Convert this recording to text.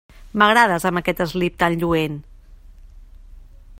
M'agrades amb aquest eslip tan lluent.